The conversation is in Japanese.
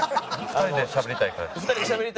２人でしゃべりたいから。